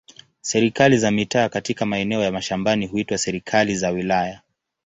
Serikali za mitaa katika maeneo ya mashambani huitwa serikali za wilaya.